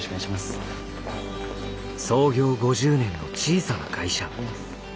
創業５０年の小さな会社。